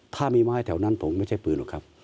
ถ้ามีไม้แถวนั้นผมไม่ใช่ปืนหรอกครับ